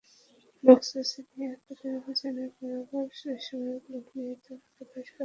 Moscow সিরিয়ায় তাদের অভিযানে বরাবরই বেসামরিক লোক নিহত হওয়ার কথা অস্বীকার করেছে।